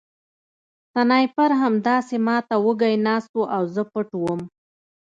سنایپر همداسې ما ته وږی ناست و او زه پټ وم